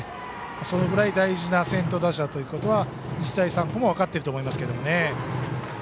そのぐらい大事な先頭打者だということは日大三高も分かっていると思います。